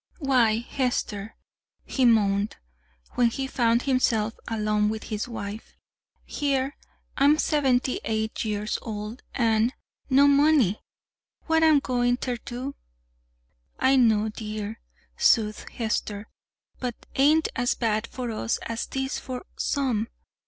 "Why, Hester," he moaned, when he found himself alone with his wife, "here I'm seventy eight years old an' no money! What am I goin' ter do?" "I know, dear," soothed Hester; "but 't ain't as bad for us as 'tis for some.